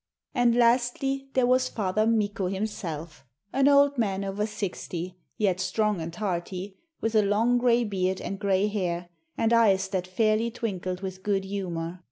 ] And lastly, there was Father Mikko himself, an old man over sixty, yet strong and hearty, with a long gray beard and gray hair, and eyes that fairly twinkled with good humour.